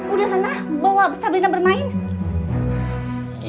udah senang bawa sabrina bermain